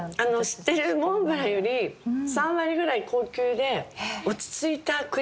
知ってるモンブランより３割ぐらい高級で。